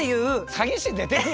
詐欺師出てくる？